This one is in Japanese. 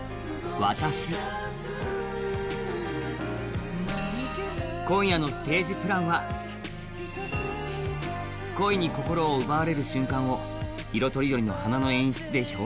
「わたし」今夜のステージプランは恋に心奪われる瞬間を色とりどりの花で演出。